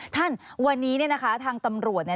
ท่านวันนี้นี่นะคะทางตำรวจเนี่ย